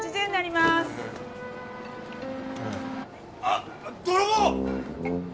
あっ泥棒！